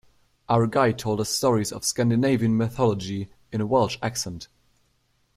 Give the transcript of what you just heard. Our guide told us stories of Scandinavian mythology in a Welsh accent.